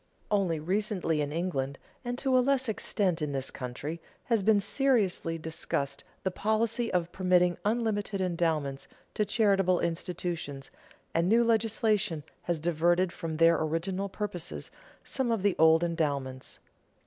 Only recently in England, and to a less extent in this country, has been seriously discussed the policy of permitting unlimited endowments to charitable institutions, and new legislation has diverted from their original purposes some of the old endowments.